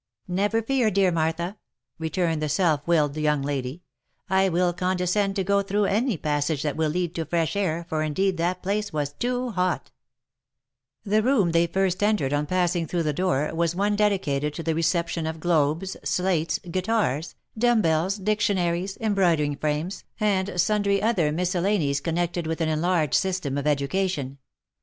" Never fear, dear Martha," returned the self willed young lady, "I will condescend to go through any passage that will lead to fresh air, for indeed that place was too hot 1" The room they first entered on passing through the door, was one dedicated to the reception of globes, slates, guitars, dumb bells, dic tionaries, embroidering frames, and sundry other miscellanies con nected with an enlarged system of education.